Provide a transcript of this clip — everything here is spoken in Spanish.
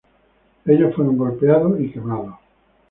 Ellos fueron golpeados y quemados.